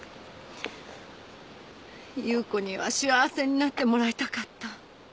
夕子には幸せになってもらいたかった。